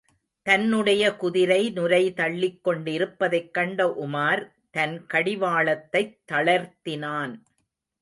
தன்னுடைய குதிரை நுரை தள்ளிக் கொண்டிருப்பதைக் கண்ட உமார் தன் கடிவாளத்தைத் தளர்த்தினான்.